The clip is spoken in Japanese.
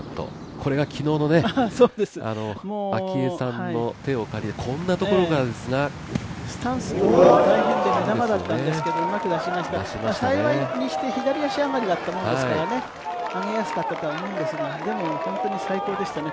これが昨日の明愛さんの手を借りて、こんなところですがスタンスが大変で目玉だったんですけどよく出しました幸いにして左足上がりだったと思うんで、あげやすかったとは思うんですがこれは最高でしたね。